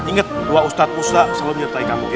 ingat dua ustadz musa selalu menyertai kamu ya